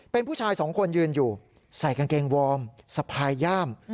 เป็นผู้ชายสองคนยืนอยู่ใส่กางเกงวอร์มสะพายย่าม